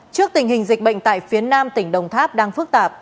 trước tình hình dịch bệnh tại phía nam tỉnh đồng tháp đang phức tạp